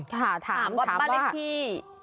ถามว่าบ้านเลขที่